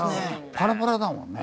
パラパラだもんね。